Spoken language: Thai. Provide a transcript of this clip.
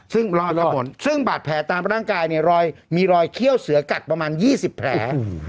ซึ่งรอดครับผมซึ่งบาดแผลตามร่างกายเนี่ยรอยมีรอยเขี้ยวเสือกัดประมาณ๒๐แผล